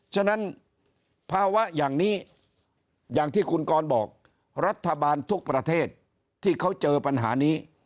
ฉะนั้นภาวะอย่างนี้อย่างที่คุณกรบอกรัฐบาลทุกประเทศที่เขาเจอปัญหานี้